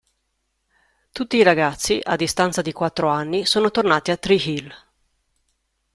Tutti i ragazzi a distanza di quattro anni sono tornati a Tree Hill.